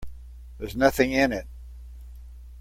There's nothing in it.